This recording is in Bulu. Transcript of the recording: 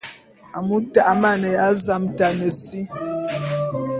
Amu ta'a amaneya zametane si.